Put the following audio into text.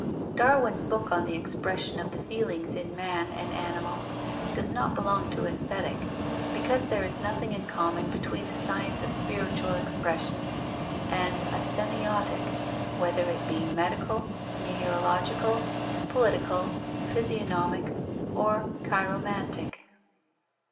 Darwin's book on the expression of the feelings in man and animals does not belong to Aesthetic; because there is nothing in common between the science of spiritual expression and a Semiotic, whether it be medical, meteorological, political, physiognomic, or chiromantic.